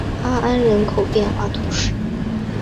阿安人口变化图示